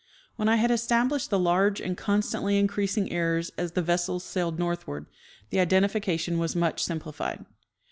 When I had established the large and constantly increasing errors as the vessels sailed northward the identifi cation was much simplified.